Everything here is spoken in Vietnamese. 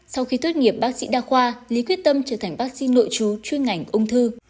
sau khi tuyết nghiệp bác sĩ đa khoa lý quyết tâm trở thành bác sĩ nội chú chuyên ngành ung thư